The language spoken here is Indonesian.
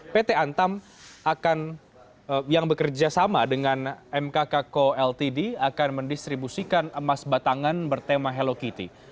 pt antam yang bekerja sama dengan mkk co ltd akan mendistribusikan emas batangan bertema hello kitty